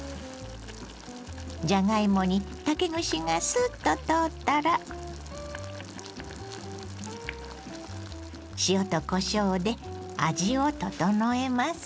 じゃがいもに竹串がすっと通ったら塩とこしょうで味を調えます。